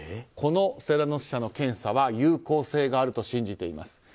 このセラノス社の検査は有効性があると信じています。